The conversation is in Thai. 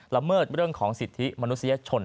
ละเมิดเรื่องของสิทธิมนุษยชน